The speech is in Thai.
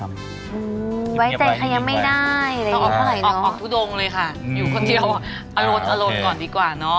แม่บ้านประจันบัน